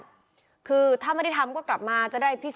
เมื่อวานหลังจากโพดำก็ไม่ได้ออกไปไหน